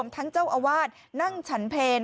ทั้งเจ้าอาวาสนั่งฉันเพล